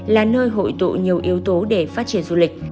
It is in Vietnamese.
là nơi hội tụ nhiều yếu tố để phát triển du lịch